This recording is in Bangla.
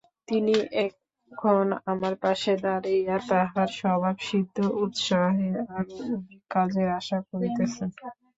তিনি এখন আমার পাশে দাঁড়াইয়া তাঁহার স্বভাবসিদ্ধ উৎসাহে আরও অধিক কাজের আশা করিতেছেন।